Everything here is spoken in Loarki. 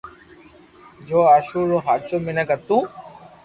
جو اآݾور رو ھاچو مينک ھتو